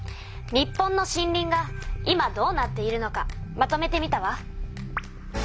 日本の森林が今どうなっているのかまとめてみたわ。